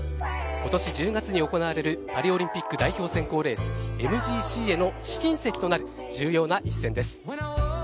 今年１０月に行われるパリオリンピック代表選考レースＭＧＣへの試金石となる重要な一戦です。